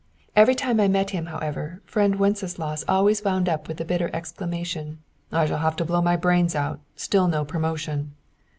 Every time I met him, however, friend Wenceslaus always wound up with the bitter exclamation: "I shall have to blow my brains out. Still no promotion!"